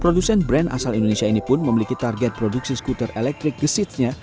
produsen brand asal indonesia ini pun memiliki target produksi skuter elektrik gesitnya